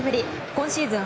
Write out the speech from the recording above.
今シーズン